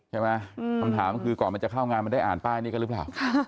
คำถามคือก่อนมันจะเข้างานมันได้อ่านป้ายนี้กันหรือเปล่า